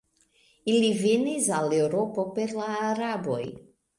Ili venis al Eŭropo per la Araboj.